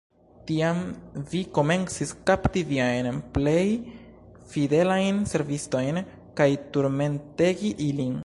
Tiam vi komencis kapti viajn plej fidelajn servistojn kaj turmentegi ilin.